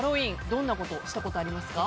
どんなことをしたことがありますか。